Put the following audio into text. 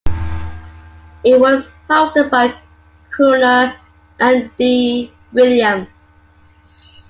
It was hosted by crooner Andy Williams.